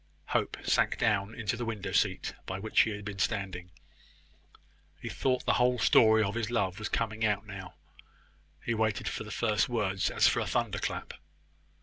Hope sank down into the window seat by which he had been standing. He thought the whole story of his love was now coming out. He waited for the first words as for a thunderclap.